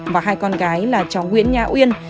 và hai con gái là chó nguyễn nhã uyên